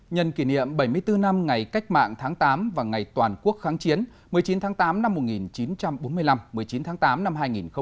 nhân kỷ niệm bảy mươi bốn năm ngày cách mạng tháng tám và ngày toàn quốc kháng chiến một mươi chín tháng tám năm một nghìn chín trăm bốn mươi năm một mươi chín tháng tám năm hai nghìn một mươi chín